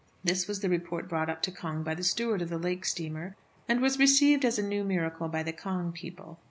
This was the report brought up to Cong by the steward of the lake steamer, and was received as a new miracle by the Cong people.